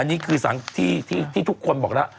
อันนี้คือที่ทุกคนบอกแล้ว